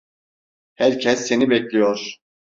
Herkes seni bekliyor.